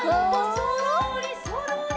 「そろーりそろり」